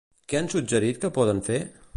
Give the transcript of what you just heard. Què han suggerit que poden fer?